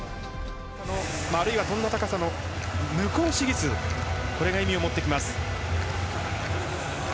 あるいは跳んだ高さの無効試技数これが意味を持ってきます。